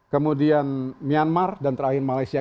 kemudian myanmar dan terakhir malaysia